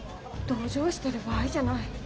同情してる場合じゃない。